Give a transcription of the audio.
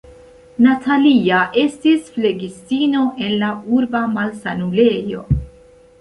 Natalia estis flegistino en la urba malsanulejo.